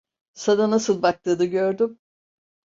Sana nasıl baktığını gördüm.